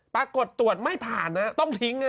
แต่มันมีประตานะต้องทิ้ง